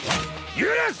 許す！